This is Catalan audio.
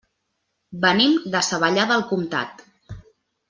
Venim de Savallà del Comtat.